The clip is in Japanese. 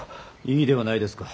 いいではないですか。